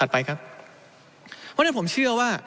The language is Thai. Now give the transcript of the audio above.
เพราะฉะนั้นผมเชื่อว่า